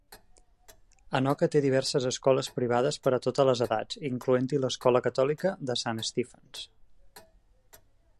Anoka té diverses escoles privades per a totes les edats, incloent-hi l'Escola Catòlica de St. Stephens.